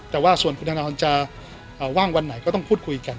แต่ว่าส่วนคุณธนทรจะว่างวันไหนก็ต้องพูดคุยกัน